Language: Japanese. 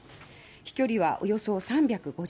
飛距離はおよそ３５０ｋｍ。